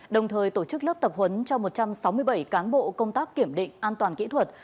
đồng thời tổ chức lớp tập huấn cho một trăm sáu mươi bảy cán bộ công tác kiểm định an toàn kỹ thuật